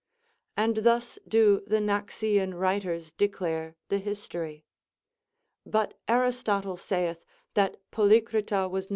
And thus do the Naxian writers declare the history. But Aristotle saith, that Polycrita was not